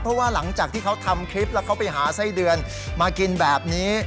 เพราะว่าหลังจากที่เขาทำคลิปแล้วเขาไปหาไส้เดือนมากินแบบนี้